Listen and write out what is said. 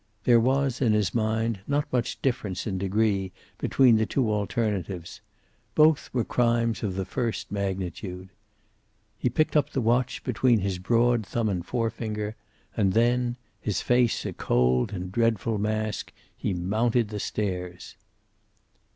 There was, in his mind, not much difference in degree between the two alternatives. Both were crimes of the first magnitude. He picked the watch up between his broad thumb and forefinger, and then, his face a cold and dreadful mask, he mounted the stairs.